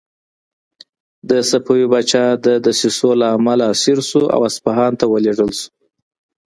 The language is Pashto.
د صفوي پاچا د دسیسو له امله اسیر شو او اصفهان ته ولېږدول شو.